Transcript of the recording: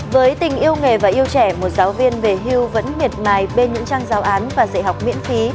với tình yêu nghề và yêu trẻ một giáo viên về hưu vẫn miệt mài bên những trang giáo án và dạy học miễn phí